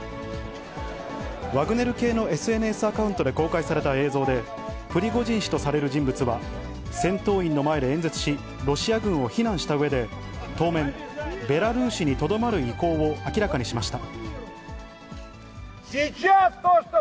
ワグネル系のＳＮＳアカウントで公開された映像で、プリゴジン氏とされる人物は、戦闘員の前で演説し、ロシア軍を非難したうえで、当面、ベラルーシにとどまる意向を明らかにしました。